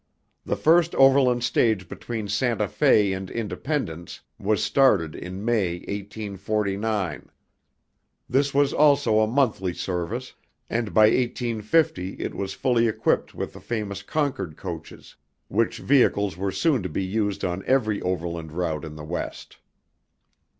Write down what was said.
The first overland stage between Santa Fe and Independence was started in May, 1849. This was also a monthly service, and by 1850 it was fully equipped with the famous Concord coaches, which vehicles were soon to be used on every overland route in the West.